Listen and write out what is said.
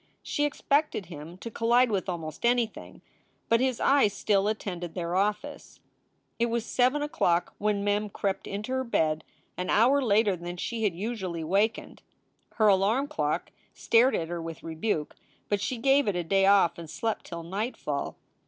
She expected him to collide with almost anything, but his eyes still attended their office. It was seven o clock when Mem crept into her bed, an hour later than she had usually wakened. Her alarm clock stared at her with rebuke, but she gave it a day off and slept till nightfall.